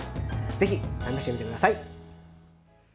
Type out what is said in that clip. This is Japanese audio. ぜひ試してみてください。